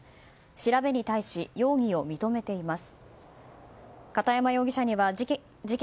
調べに対し容疑を認めています。